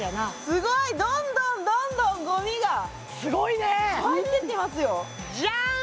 すごいどんどんどんどんゴミがすごいね入ってきますよジャーン！